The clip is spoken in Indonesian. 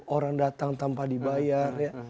orang datang tanpa dibayar